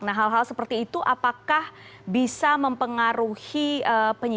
nah hal hal seperti itu apakah bisa mempengaruhi penyidikan